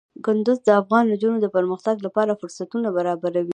کندهار د افغان نجونو د پرمختګ لپاره فرصتونه برابروي.